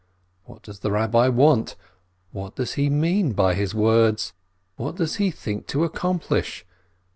What does the Rabbi want? What does he mean by his words? What does he think to accomplish